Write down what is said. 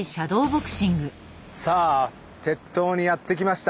さあ鉄塔にやって来ました。